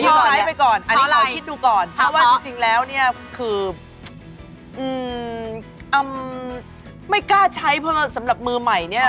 ใช้ไปก่อนอันนี้ลองคิดดูก่อนเพราะว่าจริงแล้วเนี่ยคืออำไม่กล้าใช้เพราะสำหรับมือใหม่เนี่ย